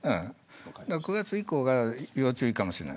９月以降要注意かもしれません。